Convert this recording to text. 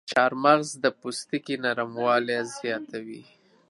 چارمغز د پوستکي نرموالی زیاتوي.